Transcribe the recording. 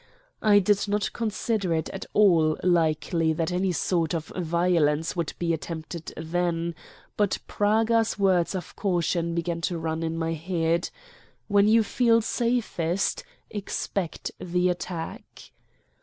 I did not consider it at all likely that any sort of violence would be attempted then; but Praga's words of caution began to run in my head "When you feel safest, expect the attack."